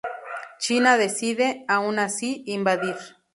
China decide, aun así, invadir.